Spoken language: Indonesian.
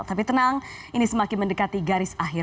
tapi tenang ini semakin mendekati garis akhir